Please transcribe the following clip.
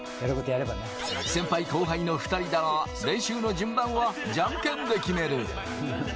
先輩後輩の２人だが、練習の順番はジャンケンで決める。